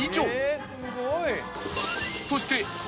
そして何？